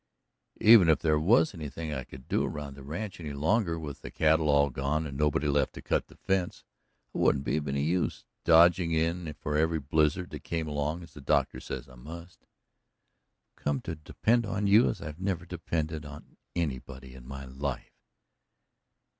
"Even if there was anything I could do around the ranch any longer, with the cattle all gone and nobody left to cut the fence, I wouldn't be any use, dodging in for every blizzard that came along, as the doctor says I must." "I've come to depend on you as I never depended on anybody in my life."